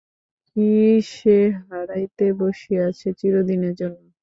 কী সে হারাইতে বসিয়াছে চিরদিনের জন্য?